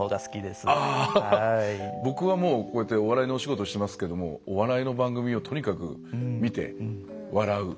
僕はもうこうやってお笑いのお仕事してますけどお笑いの番組をとにかく見て笑う。